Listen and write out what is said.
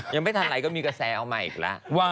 ยังไม่ทันไรก็มีกระแสเอามาอีกแล้ว